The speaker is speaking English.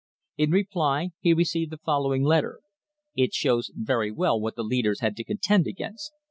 In reply he received the following letter. It shows very well what the leaders had to contend against.